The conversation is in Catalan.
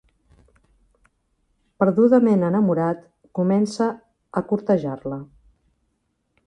Perdudament enamorat, comença a cortejar-la.